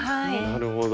なるほど。